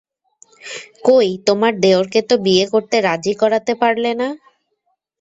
কই, তোমার দেওরকে তো বিয়ে করতে রাজি করাতে পারলে না।